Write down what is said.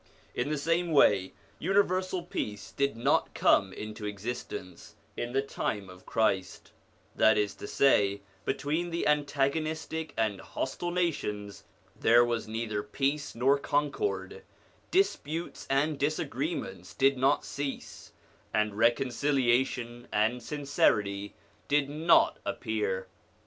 In the same way, universal peace did not come into existence in the time of Christ ; that is to say, between the antagonistic and hostile nations there was neither peace nor concord, disputes and 74 SOME ANSWERED QUESTIONS disagreements did not cease, and reconciliation and sincerity did not appear.